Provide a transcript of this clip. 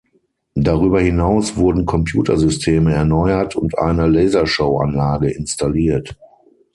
Darüber hinaus wurden Computersysteme erneuert und eine Lasershow-Anlage installiert.